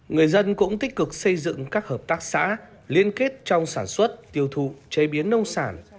người dân cũng tích cực xây dựng các hợp tác xã liên kết trong sản xuất tiêu thụ chế biến nông sản